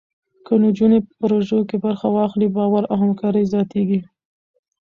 که نجونې په پروژو کې برخه واخلي، باور او همکاري زیاتېږي.